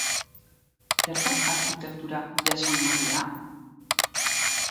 Zer da arkitektura jasangarria?